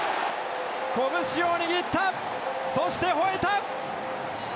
拳を握った、そしてほえた！